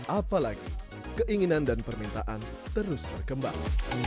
apalagi keinginan dan permintaan terus berkembang